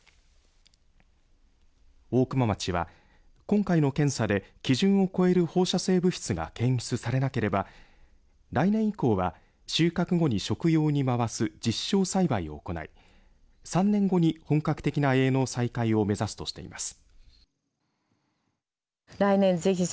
大熊町は、今回の検査で基準を超える放射性物質が検出されなければ来年以降は収穫後に食用に回す実証栽培を行い３年後に本格的な営農再開を目指すとしています。